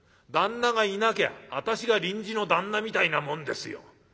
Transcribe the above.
旦那がいなきゃ私が臨時の旦那みたいなもんですよ。